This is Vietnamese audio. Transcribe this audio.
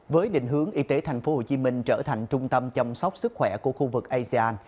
với định hướng y tế tp hcm trở thành trung tâm chăm sóc sức khỏe của khu vực asean